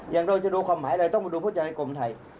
อย่างเราจะดูความหมายอะไรต้องมาดูผู้ใจในกรมไทย